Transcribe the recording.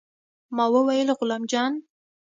ما وويل غلام جان.